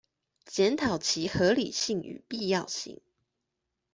檢討其合理性與必要性